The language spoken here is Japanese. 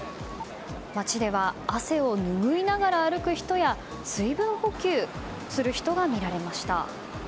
街では汗をぬぐいながら歩く人や水分補給する人が見られました。